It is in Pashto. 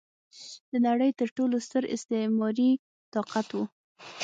د نړۍ تر ټولو ستر استعماري طاقت و.